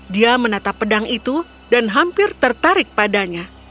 dia menatap pedang itu dan hampir tertarik padanya